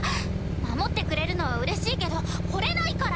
守ってくれるのはうれしいけど惚れないから。